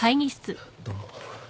どうも。